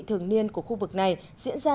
thường niên của khu vực này diễn ra